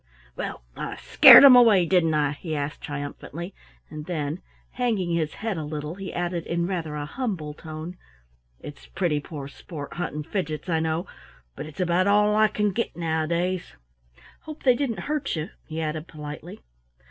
"Well, I scared 'em away, didn't I?" he asked triumphantly, and then, hanging his head a little, he added in rather a humble tone, "It's pretty poor sport hunting Fidgets, I know, but it's about all I can get nowadays. Hope they didn't hurt you?" he added politely.